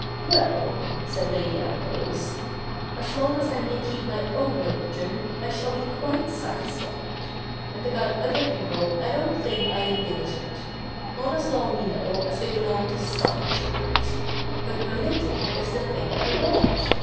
' Well," said Eady Ambrose, ' as long as I may keep my own religion, I shall be quite satisfied : and about other people I don't think I am bigoted — not as long, you know, as they belong to sofne church. But re/igion is the thing I want.